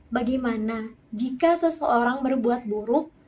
bagaimana jika seseorang berbuat buruk